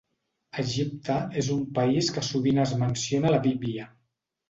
Egipte és un país que sovint es menciona a la Bíblia.